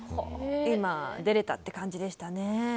今、出れたっていう感じでしたね。